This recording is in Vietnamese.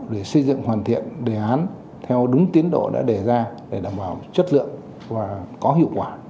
để xây dựng hoàn thiện đề án theo đúng tiến độ đã đề ra để đảm bảo chất lượng và có hiệu quả